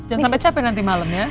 jangan sampai capek nanti malam ya